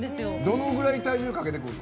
どのぐらい体重かけてくるの？